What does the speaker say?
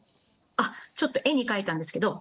あっちょっと絵に描いたんですけど。